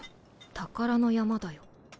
宝の山だよ。